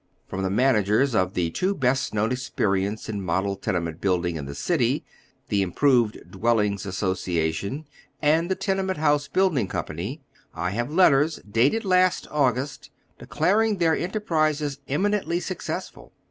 From the managers of the two best known experiments in model tenement building in the city, the Improved Dwellings Association and tlie Tenement house Bnild ing Company, I have letters dated last August, declaring their entei prises eminently successful.